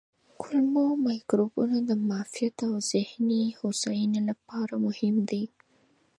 کولمو مایکروبیوم د معافیت او ذهني هوساینې لپاره مهم دی.